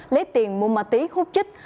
lấy tiền mua ma tí hút chích